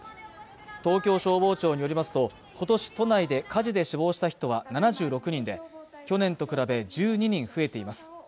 東京消防庁によりますとことし都内で火事で死亡した人は７６人で去年と比べ１２人増えています